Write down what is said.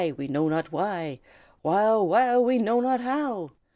we know not why! Wow! wow! we know not how!